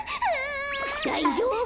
だいじょうぶ！